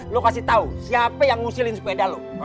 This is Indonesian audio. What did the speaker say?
lo kasih tahu siapa yang ngusilin sepeda lo